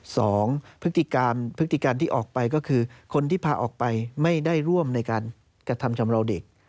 สองพฤติกรรมพฤติการที่ออกไปก็คือคนที่พาออกไปไม่ได้ร่วมในการกระทำชำราวเด็ก